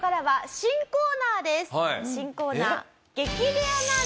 新コーナー。